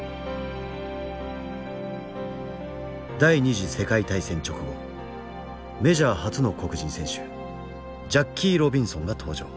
第二次世界大戦直後メジャー初の黒人選手ジャッキー・ロビンソンが登場。